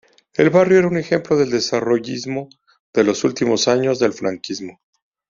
El barrio era un ejemplo del desarrollismo de los últimos años del Franquismo.